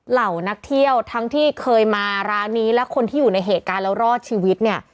เหล่านักเที่ยวทั้งที่เคยมาร้านนี้และคนที่อยู่ในเหตุการณ์แล้วรอดชีวิตเนี่ย